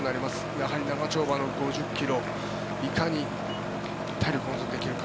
やはり長丁場の５０ｋｍいかに体力温存ができるか。